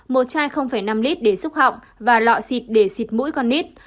một chai năm lít để xúc họng và lọ xịt để xịt mũi con mít